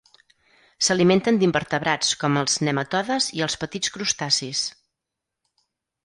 S'alimenten d'invertebrats com els nematodes i els petits crustacis.